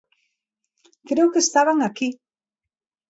Creo que estaban aquí.